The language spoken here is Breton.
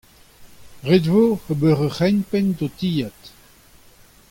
ret e vo ober ur c'hempenn d'ho tilhad.